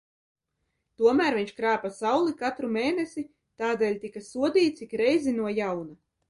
Tomēr viņš krāpa Sauli katru mēnesi, tādēļ tika sodīts ik reizi no jauna.